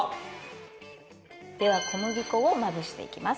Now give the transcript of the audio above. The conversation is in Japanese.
では小麦粉をまぶしていきます。